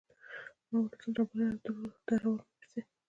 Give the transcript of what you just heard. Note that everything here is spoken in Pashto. ما ولسونه رابلل او درول مې پسې